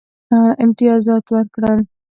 امتیازات ورکړل.